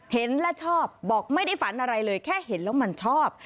เห็นและชอบบอกไม่ได้ฝันอะไรเลยแค่เห็นแล้วมันชอบ